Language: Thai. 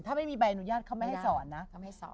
ถ้าไม่มีใบอนุญาตเขาไม่ให้สอนนะ